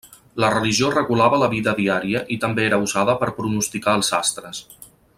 La religió regulava la vida diària i també era usada per pronosticar els astres.